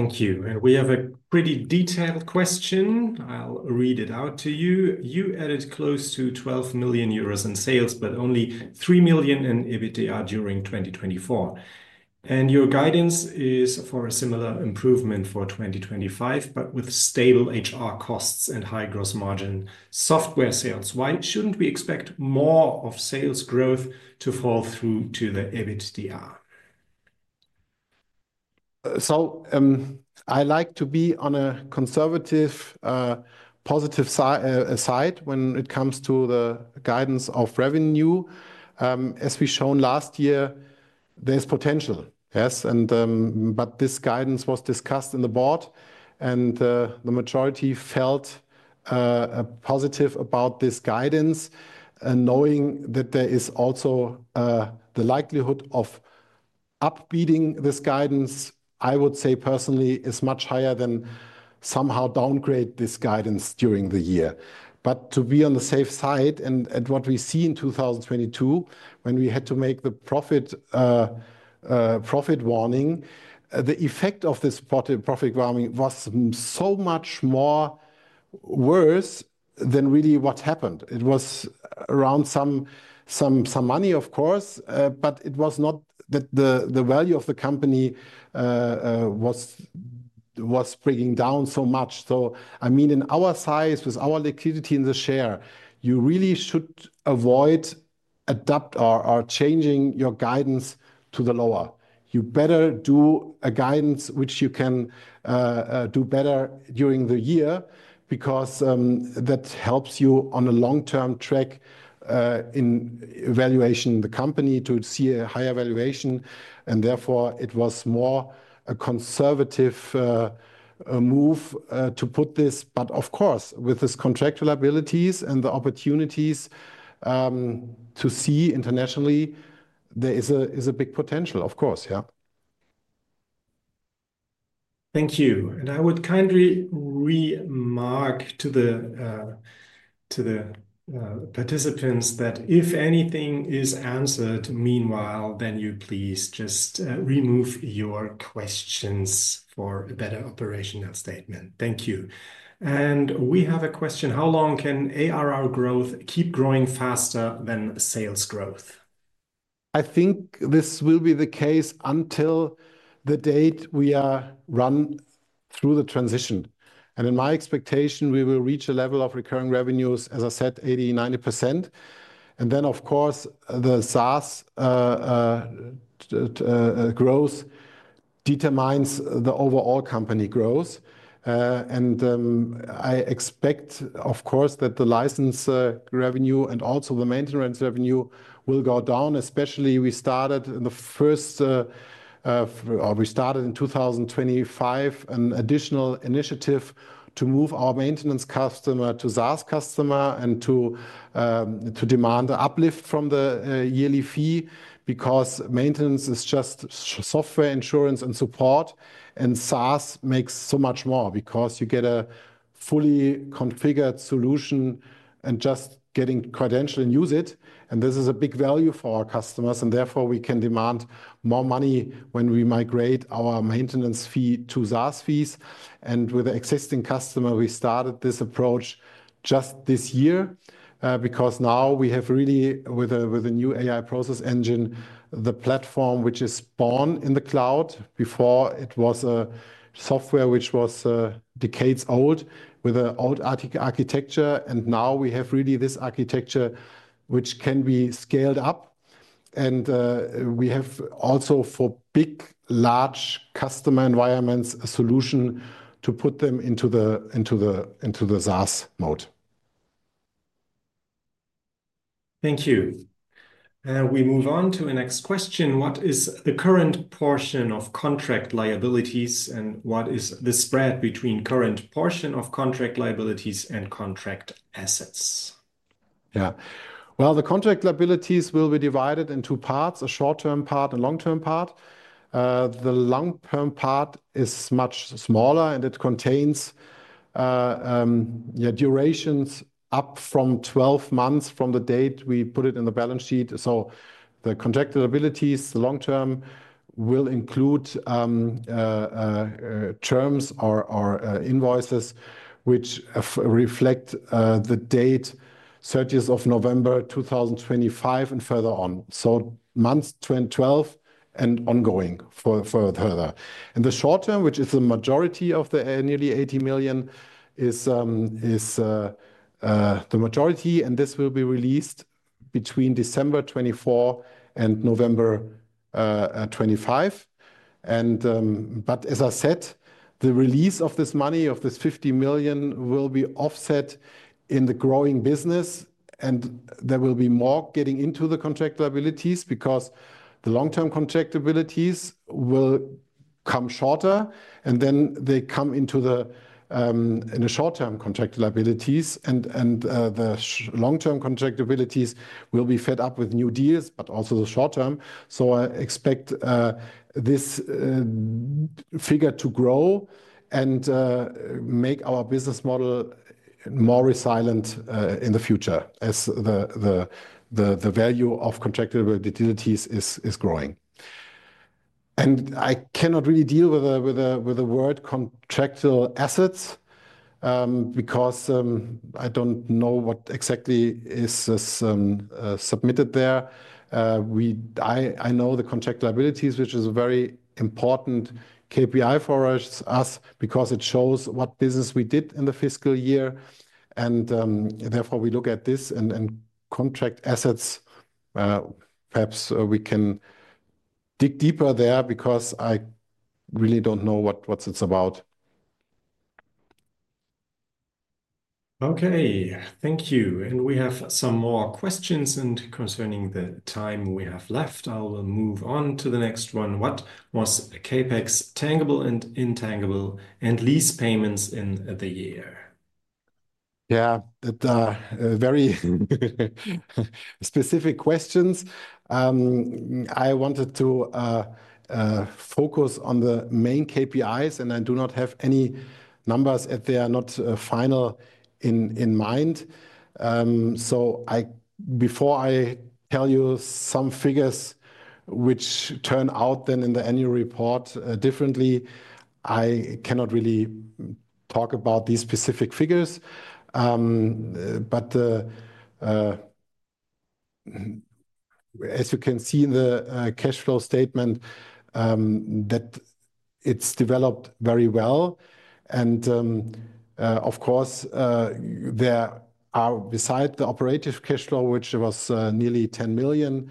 Thank you. We have a pretty detailed question. I'll read it out to you. You added close to 12 million euros in sales, but only 3 million in EBITDA during 2024. Your guidance is for a similar improvement for 2025, but with stable HR costs and high gross margin software sales. Why should we not expect more of sales growth to fall through to the EBITDA? I like to be on a conservative positive side when it comes to the guidance of revenue. As we shown last year, there is potential. Yes. This guidance was discussed in the board and the majority felt positive about this guidance. Knowing that there is also the likelihood of upbeating this guidance, I would say personally is much higher than somehow downgrade this guidance during the year. To be on the safe side and what we see in 2022, when we had to make the profit warning, the effect of this profit warning was so much more worse than really what happened. It was around some money, of course, but it was not that the value of the company was breaking down so much. I mean, in our size, with our liquidity in the share, you really should avoid adapt or changing your guidance to the lower. You better do a guidance which you can do better during the year because that helps you on a long-term track in evaluation in the company to see a higher valuation. Therefore, it was more a conservative move to put this. Of course, with this contractual abilities and the opportunities to see internationally, there is a big potential, of course. Yeah. Thank you. I would kindly remark to the participants that if anything is answered meanwhile, then you please just remove your questions for a better operational statement. Thank you. We have a question. How long can ARR growth keep growing faster than sales growth? I think this will be the case until the date we are run through the transition. In my expectation, we will reach a level of recurring revenues, as I said, 80%-90%. Of course, the SaaS growth determines the overall company growth. I expect, of course, that the license revenue and also the maintenance revenue will go down, especially we started in the first, or we started in 2025, an additional initiative to move our maintenance customer to SaaS customer and to demand an uplift from the yearly fee because maintenance is just software insurance and support. SaaS makes so much more because you get a fully configured solution and just getting credential and use it. This is a big value for our customers. Therefore, we can demand more money when we migrate our maintenance fee to SaaS fees. With the existing customer, we started this approach just this year because now we have really with the new AI Process Engine, the platform which is born in the cloud. Before, it was a software which was decades old with an old architecture. Now we have really this architecture which can be scaled up. We have also for big, large customer environments a solution to put them into the SaaS mode. Thank you. We move on to the next question. What is the current portion of contract liabilities and what is the spread between current portion of contract liabilities and contract assets? Yeah. The contract liabilities will be divided into parts, a short-term part and long-term part. The long-term part is much smaller and it contains durations up from 12 months from the date we put it in the balance sheet. The contract liabilities, the long-term will include terms or invoices which reflect the date 30th of November 2025 and further on. Months 12 and ongoing further. The short term, which is the majority of the nearly 80 million, is the majority. This will be released between December 2024 and November 2025. As I said, the release of this money, of this 50 million, will be offset in the growing business. There will be more getting into the contract liabilities because the long-term contract liabilities will come shorter. They come into the short-term contract liabilities. The long-term contract liabilities will be fed up with new deals, but also the short-term. I expect this figure to grow and make our business model more resilient in the future as the value of contract liabilities is growing. I cannot really deal with the word contract assets because I do not know what exactly is submitted there. I know the contract liabilities, which is a very important KPI for us because it shows what business we did in the fiscal year. Therefore, we look at this and contract assets. Perhaps we can dig deeper there because I really do not know what it is about. Thank you. We have some more questions. Concerning the time we have left, I will move on to the next one. What was CapEx tangible and intangible and lease payments in the year? Yeah, very specific questions. I wanted to focus on the main KPIs and I do not have any numbers as they are not final in mind. Before I tell you some figures which turn out then in the annual report differently, I cannot really talk about these specific figures. As you can see in the cash flow statement, it has developed very well. Of course, there are, beside the operative cash flow, which was nearly 10 million,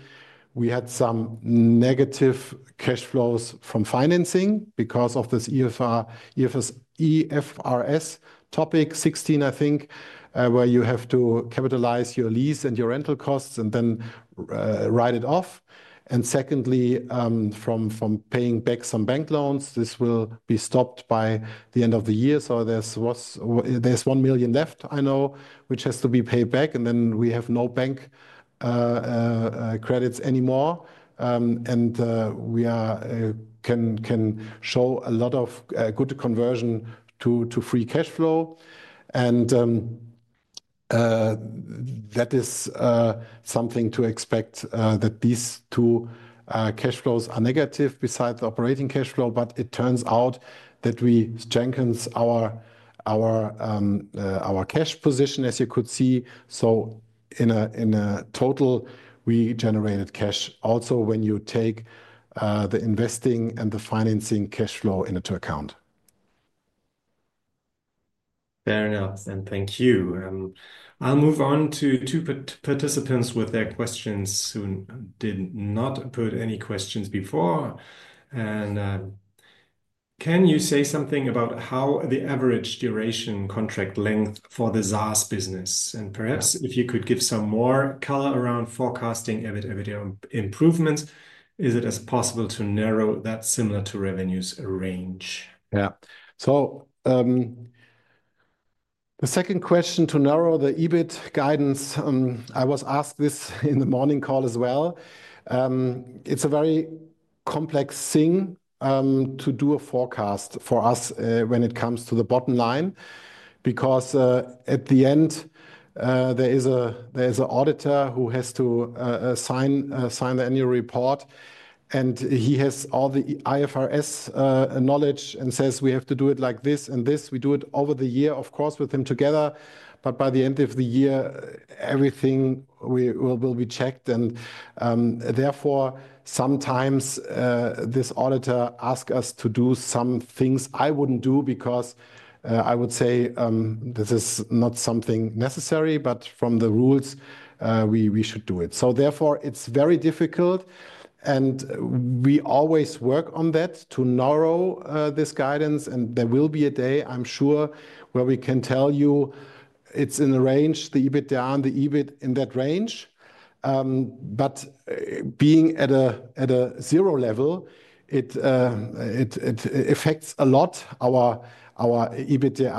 we had some negative cash flows from financing because of this IFRS topic 16, I think, where you have to capitalize your lease and your rental costs and then write it off. Secondly, from paying back some bank loans, this will be stopped by the end of the year. There is 1 million left, I know, which has to be paid back. Then we have no bank credits anymore. We can show a lot of good conversion to free cash flow. That is something to expect, that these two cash flows are negative besides the operating cash flow. It turns out that we strengthened our cash position, as you could see. In total, we generated cash also when you take the investing and the financing cash flow into account. Fair enough. Thank you. I'll move on to two participants with their questions who did not put any questions before. Can you say something about how the average duration contract length for the SaaS business? Perhaps if you could give some more color around forecasting EBITDA improvements, is it as possible to narrow that similar to revenues range? Yeah. The second question to narrow the EBIT guidance, I was asked this in the morning call as well. It's a very complex thing to do a forecast for us when it comes to the bottom line because at the end, there is an auditor who has to sign the annual report. He has all the IFRS knowledge and says we have to do it like this and this. We do it over the year, of course, with him together. By the end of the year, everything will be checked. Therefore, sometimes this auditor asks us to do some things I wouldn't do because I would say this is not something necessary, but from the rules, we should do it. Therefore, it's very difficult. We always work on that to narrow this guidance. There will be a day, I'm sure, where we can tell you it's in the range, the EBITDA and the EBIT in that range. Being at a zero level, it affects a lot our EBITDA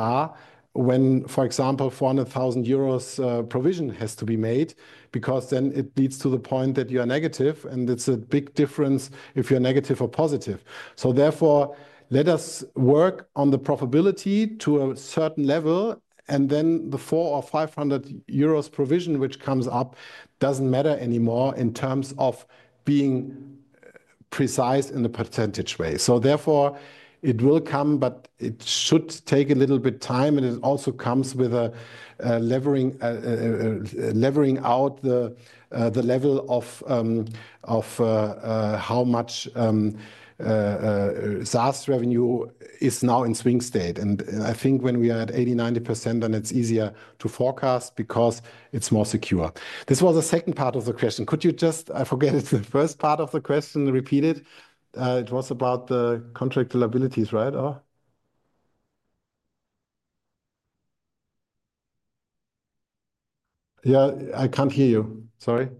when, for example, 400,000 euros provision has to be made because then it leads to the point that you are negative. It's a big difference if you're negative or positive. Therefore, let us work on the probability to a certain level. Then the 400,000 or 500,000 euros provision, which comes up, doesn't matter anymore in terms of being precise in the percentage way. Therefore, it will come, but it should take a little bit of time. It also comes with levering out the level of how much SaaS revenue is now in swing state. I think when we are at 80%-90%, then it's easier to forecast because it's more secure. This was the second part of the question. Could you just, I forget the first part of the question, repeat it? It was about the contract liabilities, right? I can't hear you. Sorry.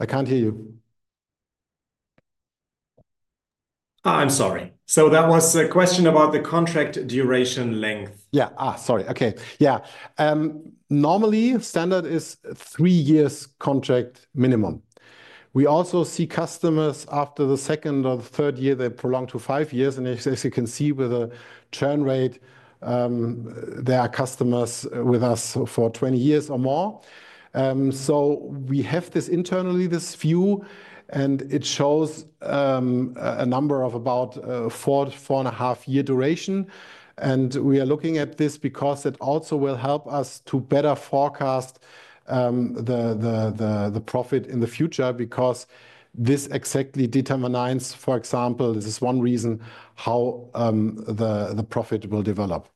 I can't hear you. I'm sorry. That was a question about the contract duration length. Yeah, sorry. Normally, standard is three years contract minimum. We also see customers after the second or the third year, they prolong to five years. As you can see with the churn rate, there are customers with us for 20 years or more. We have this internally, this view, and it shows a number of about four and a half year duration. We are looking at this because it also will help us to better forecast the profit in the future because this exactly determines, for example, this is one reason how the profit will develop.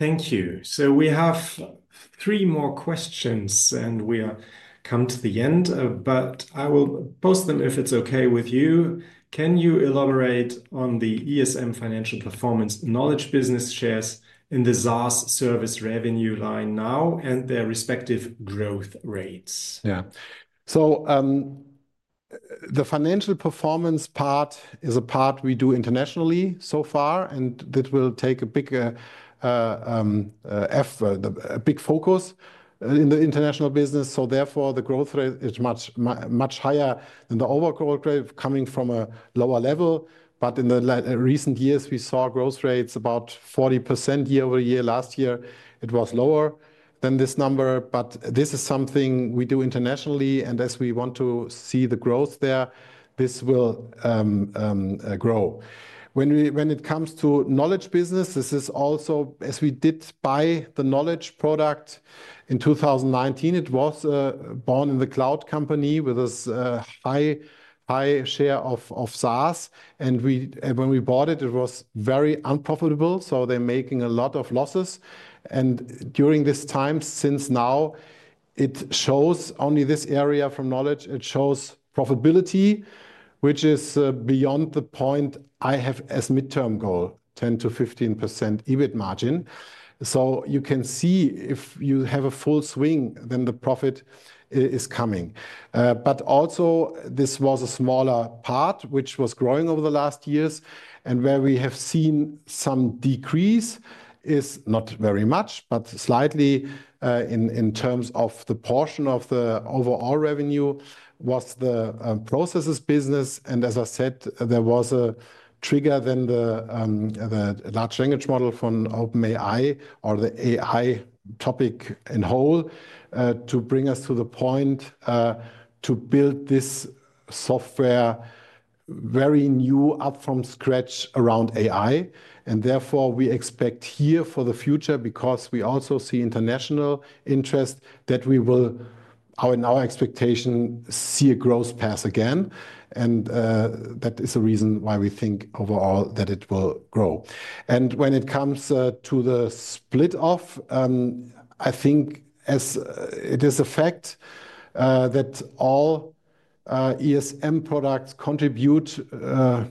Thank you. We have three more questions, and we have come to the end, but I will post them if it's okay with you. Can you elaborate on the ESM financial performance knowledge business shares in the SaaS service revenue line now and their respective growth rates? Yeah. The financial performance part is a part we do internationally so far, and that will take a big focus in the international business. Therefore, the growth rate is much higher than the overall growth rate coming from a lower level. In recent years, we saw growth rates about 40% year-over-year. Last year, it was lower than this number. This is something we do internationally. As we want to see the growth there, this will grow. When it comes to knowledge business, this is also, as we did buy the knowledge product in 2019, it was born in the cloud company with a high share of SaaS. When we bought it, it was very unprofitable. They were making a lot of losses. During this time since now, it shows only this area from knowledge. It shows profitability, which is beyond the point I have as midterm goal, 10%-15% EBIT margin. You can see if you have a full swing, then the profit is coming. This was a smaller part, which was growing over the last years. Where we have seen some decrease is not very much, but slightly in terms of the portion of the overall revenue was the processes business. As I said, there was a trigger than the large language model from OpenAI or the AI topic in whole to bring us to the point to build this software very new up from scratch around AI. Therefore, we expect here for the future because we also see international interest that we will, in our expectation, see a growth pass again. That is the reason why we think overall that it will grow. When it comes to the split off, I think as it is a fact that all ESM products contribute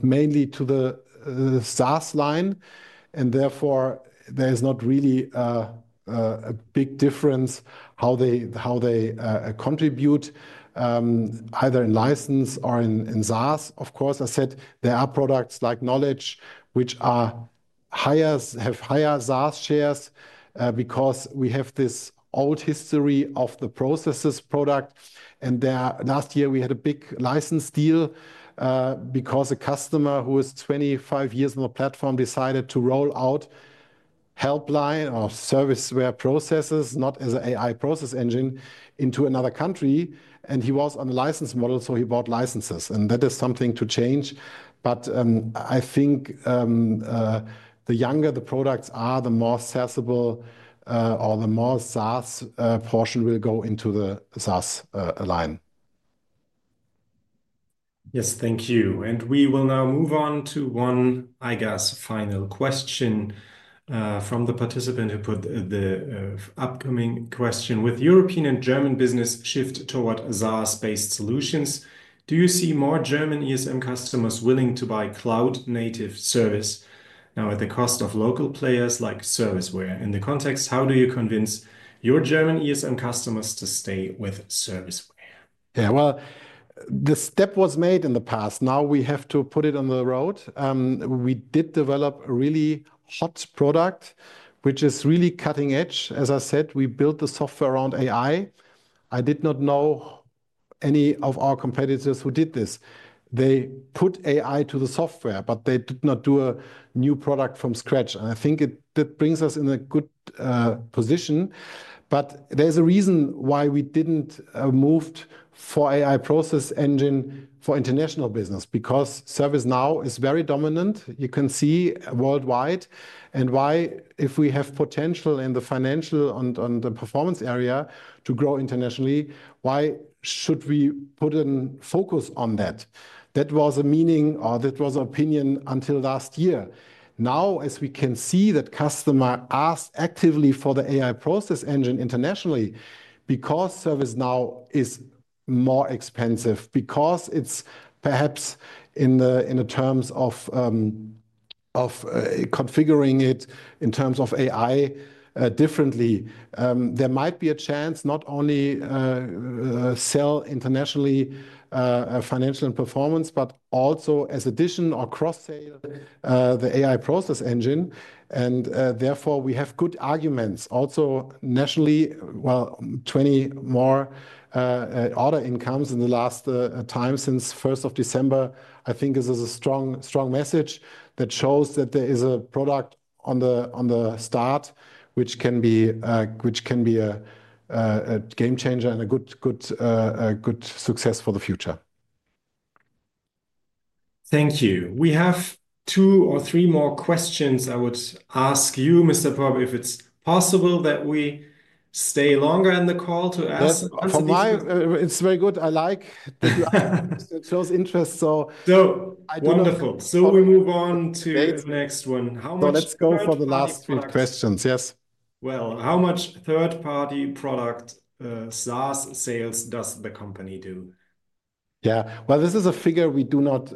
mainly to the SaaS line. Therefore, there is not really a big difference how they contribute either in license or in SaaS. Of course, I said there are products like knowledge, which have higher SaaS shares because we have this old history of the processes product. Last year, we had a big license deal because a customer who is 25 years on the platform decided to roll out helpline or SERVICEWARE Processes, not as an AI Process Engine, into another country. He was on the license model, so he bought licenses. That is something to change. I think the younger the products are, the more accessible or the more SaaS portion will go into the SaaS line. Yes, thank you. We will now move on to one, I guess, final question from the participant who put the upcoming question. With European and German business shift toward SaaS-based solutions, do you see more German ESM customers willing to buy cloud-native ServiceNow at the cost of local players like SERVICEWARE? In the context, how do you convince your German ESM customers to stay with SERVICEWARE? Yeah, the step was made in the past. Now we have to put it on the road. We did develop a really hot product, which is really cutting edge. As I said, we built the software around AI. I did not know any of our competitors who did this. They put AI to the software, but they did not do a new product from scratch. I think that brings us in a good position. There is a reason why we did not move for AI Process Engine for international business because ServiceNow is very dominant. You can see worldwide. If we have potential in the financial and the performance area to grow internationally, why should we put a focus on that? That was a meaning or that was an opinion until last year. Now, as we can see, that customer asked actively for the AI Process Engine internationally because ServiceNow is more expensive, because it's perhaps in the terms of configuring it in terms of AI differently. There might be a chance not only to sell internationally financial and performance, but also as addition or cross-sale the AI Process Engine. Therefore, we have good arguments also nationally. Twenty more order incomes in the last time since 1st of December. I think this is a strong message that shows that there is a product on the start, which can be a game changer and a good success for the future. Thank you. We have two or three more questions. I would ask you, Mr. Popp, if it's possible that we stay longer in the call to ask answers. It's very good. I like that you have shown interest. So wonderful. We move on to the next one. How much? Let's go for the last few questions. Yes. How much third-party product SaaS sales does the company do? Yeah, this is a figure we do not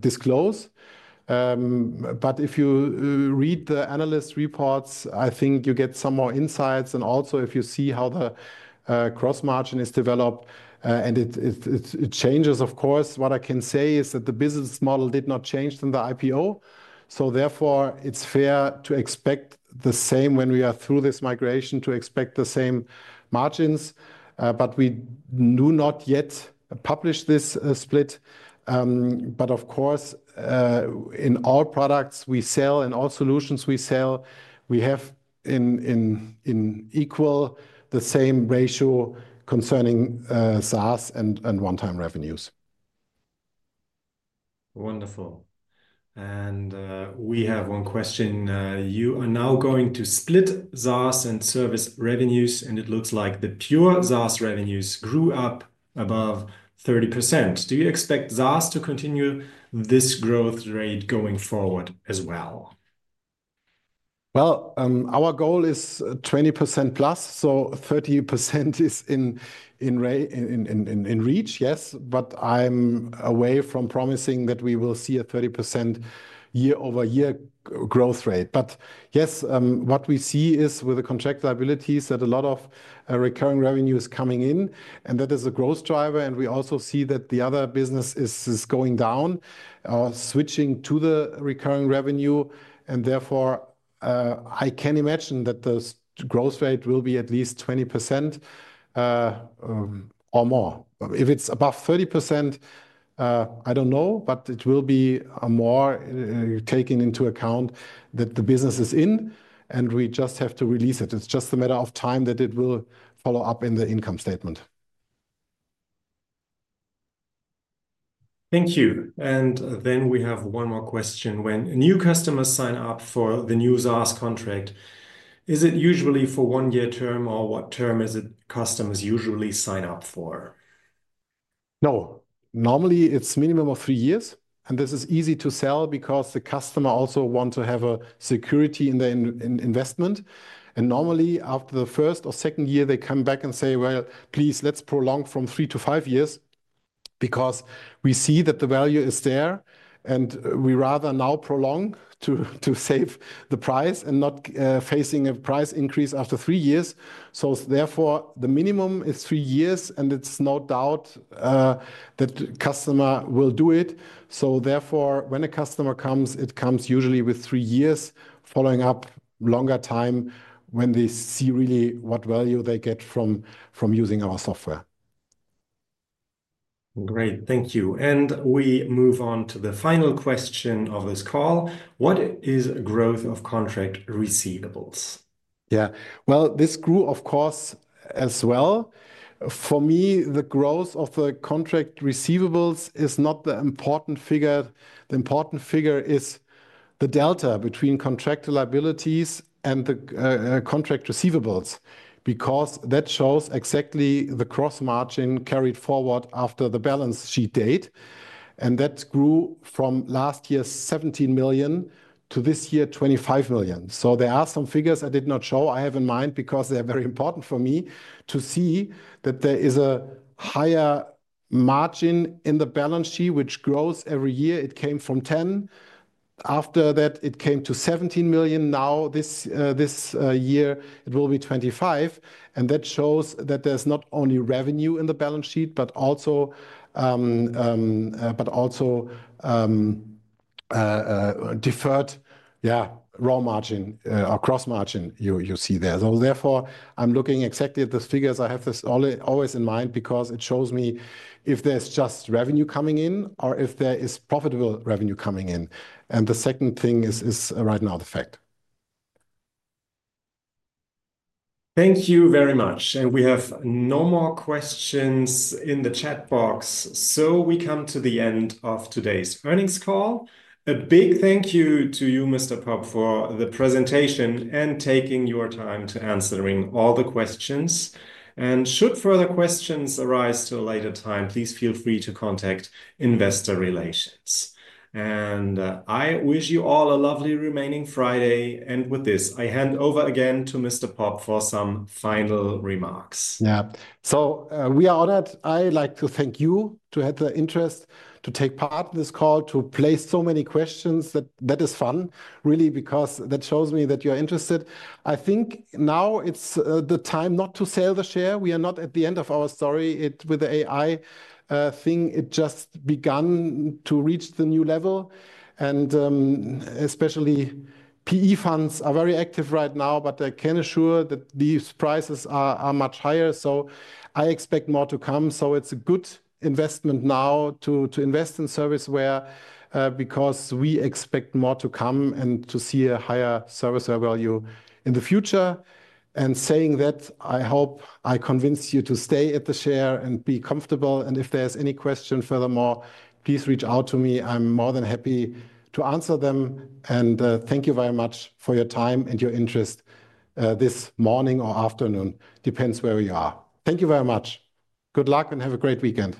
disclose. If you read the analyst reports, I think you get some more insights. Also, if you see how the cross-margin is developed and it changes, of course, what I can say is that the business model did not change in the IPO. Therefore, it's fair to expect the same when we are through this migration to expect the same margins. We do not yet publish this split. Of course, in all products we sell and all solutions we sell, we have in equal the same ratio concerning SaaS and one-time revenues. Wonderful. We have one question. You are now going to split SaaS and service revenues, and it looks like the pure SaaS revenues grew up above 30%. Do you expect SaaS to continue this growth rate going forward as well? Our goal is 20% plus. 30% is in reach, yes. I am away from promising that we will see a 30% year-over-year growth rate. What we see is with the contract liabilities that a lot of recurring revenue is coming in, and that is a growth driver. We also see that the other business is going down or switching to the recurring revenue. Therefore, I can imagine that the growth rate will be at least 20% or more. If it's above 30%, I don't know, but it will be more taken into account that the business is in, and we just have to release it. It's just a matter of time that it will follow up in the income statement. Thank you. We have one more question. When new customers sign up for the new SaaS contract, is it usually for one-year term or what term is it customers usually sign up for? No, normally it's a minimum of three years. This is easy to sell because the customer also wants to have a security in the investment. Normally, after the first or second year, they come back and say, "Well, please, let's prolong from three to five years because we see that the value is there." We rather now prolong to save the price and not face a price increase after three years. Therefore, the minimum is three years, and it's no doubt that the customer will do it. Therefore, when a customer comes, it comes usually with three years following up longer time when they see really what value they get from using our software. Great. Thank you. We move on to the final question of this call. What is growth of contract receivables? Yeah, this grew, of course, as well. For me, the growth of the contract receivables is not the important figure. The important figure is the delta between contract liabilities and the contract receivables because that shows exactly the cross-margin carried forward after the balance sheet date. That grew from last year's 17 million to this year's 25 million. There are some figures I did not show I have in mind because they are very important for me to see that there is a higher margin in the balance sheet, which grows every year. It came from 10 million. After that, it came to 17 million. Now, this year, it will be 25 million. That shows that there's not only revenue in the balance sheet, but also deferred, yeah, raw margin or cross-margin you see there. Therefore, I'm looking exactly at these figures. I have this always in mind because it shows me if there's just revenue coming in or if there is profitable revenue coming in. The second thing is right now the fact. Thank you very much. We have no more questions in the chat box. We come to the end of today's earnings call. A big thank you to you, Mr. Popp, for the presentation and taking your time to answer all the questions. Should further questions arise at a later time, please feel free to contact Investor Relations. I wish you all a lovely remaining Friday. With this, I hand over again to Mr. Popp for some final remarks. Yeah, we are honored. I'd like to thank you for the interest to take part in this call, to place so many questions. That is fun, really, because that shows me that you're interested. I think now it's the time not to sell the share. We are not at the end of our story with the AI thing. It just began to reach the new level. Especially PE funds are very active right now, but I can assure that these prices are much higher. I expect more to come. It is a good investment now to invest in SERVICEWARE because we expect more to come and to see a higher service value in the future. Saying that, I hope I convinced you to stay at the share and be comfortable. If there is any question furthermore, please reach out to me. I am more than happy to answer them. Thank you very much for your time and your interest this morning or afternoon, depends where you are. Thank you very much. Good luck and have a great weekend.